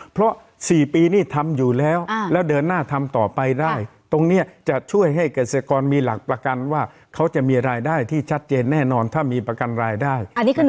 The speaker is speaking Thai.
เพราะ๔ปีนี่ทำอยู่แล้วแล้วเดินหน้าทำต่อไปได้ตรงนี้จะช่วยให้เกษตรกรมีหลักประกันว่าเขาจะมีรายได้ที่ชัดเจนแน่นอนถ้ามีประกันรายได้